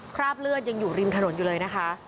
คราบเลือดยังอยู่ริมถนนอยู่เลยนะคะ